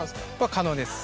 可能です。